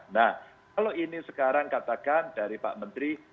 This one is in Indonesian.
nah kalau ini sekarang katakan dari pak menteri